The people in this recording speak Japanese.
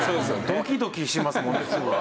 ドキドキしますもんね。